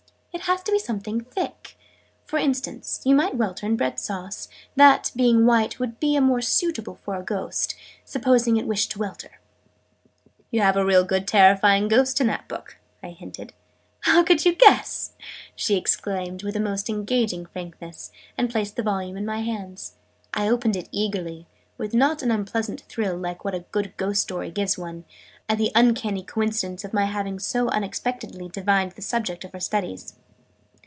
"It has to be something thick. For instance, you might welter in bread sauce. That, being white, would be more suitable for a Ghost, supposing it wished to welter!" "You have a real good terrifying Ghost in that book?" I hinted. "How could you guess?" she exclaimed with the most engaging frankness, and placed the volume in my hands. I opened it eagerly, with a not unpleasant thrill (like what a good ghost story gives one) at the 'uncanny' coincidence of my having so unexpectedly divined the subject of her studies.